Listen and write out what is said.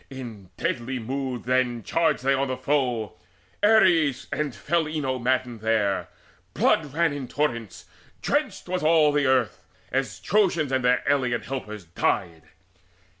In deadly mood then charged they on the foe. Ares and fell Enyo maddened there: Blood ran in torrents, drenched was all the earth, As Trojans and their alien helpers died.